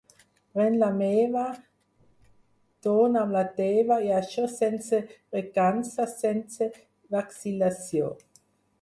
Pren la meva, dóna'm la teva, i això sense recança, sense vacil·lació.